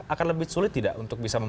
akan lebih sulit tidak untuk bisa